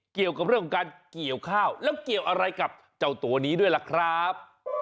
เกี่ยวกับเรื่องของการเกี่ยวข้าวแล้วเกี่ยวอะไรกับเจ้าตัวนี้ด้วยล่ะครับ